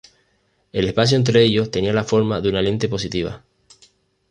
El espacio entre ellos, tenía la forma de una lente positiva.